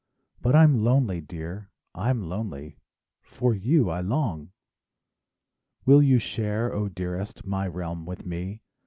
But I'm lonely, dear, I'm lonely,— For you I long! Will you share, oh, dearest, My realm with me?